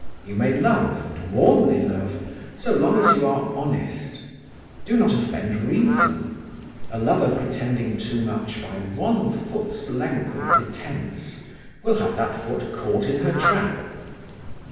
You may love, and warmly love, so long as you are honest. Do not offend reason. A lover pretending too much by one foot's length of pretence, will have that foot caught in her trap.